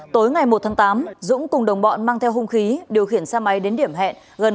tối ngày một tháng tám dũng cùng đồng bọn mang theo hung khí điều khiển xe máy đến điểm hẹn